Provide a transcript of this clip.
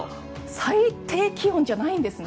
最低気温じゃないんですね？